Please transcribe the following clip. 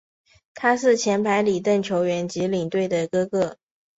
他是前白礼顿球员及领队的哥哥。